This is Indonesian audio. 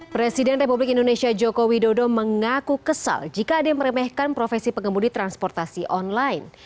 presiden republik indonesia joko widodo mengaku kesal jika ada yang meremehkan profesi pengemudi transportasi online